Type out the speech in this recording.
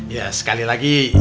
ya sekali lagi